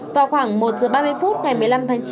vào khoảng một h ba mươi phút ngày một mươi năm tháng chín